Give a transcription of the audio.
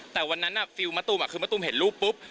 แต่วันนั้นฟิลมะตูมคือมะตูมเห็นรูปปุ๊บ